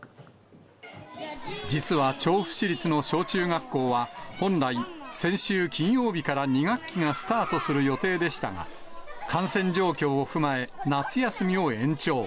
実は調布市立の小中学校は、本来、先週金曜日から２学期がスタートする予定でしたが、感染状況を踏まえ、夏休みを延長。